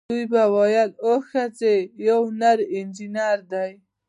دوی به ویل اوه ښځې او یو نر انجینر دی.